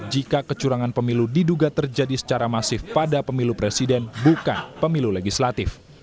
jika kecurangan pemilu diduga terjadi secara masif pada pemilu presiden bukan pemilu legislatif